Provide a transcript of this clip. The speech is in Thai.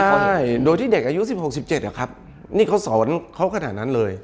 ใช่โดยที่เด็กอายุ๑๖๑๗อะครับนี่เขาสอนเขาขนาดนั้นเลย